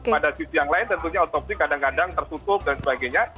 pada sisi yang lain tentunya otopsi kadang kadang tertutup dan sebagainya